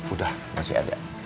udah masih ada